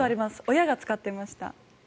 親が使っていました。